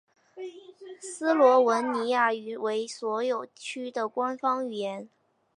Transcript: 斯洛文尼亚语为所有区的官方语言。